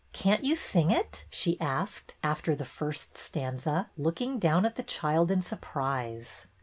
Can't you sing it? " she asked, after the first stanza, looking down at the child in surprise.